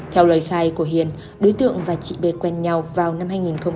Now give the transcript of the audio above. theo lời khai của hiền đối tượng và chị b quen nhau vào năm hai nghìn một mươi